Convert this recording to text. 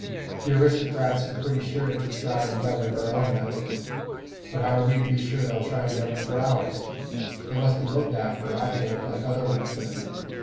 The aristocrats are pretty sure to try and govern for their own benefit; but how are we to be sure they'll try and govern for ours? They must be looked after, I think, like other workmen.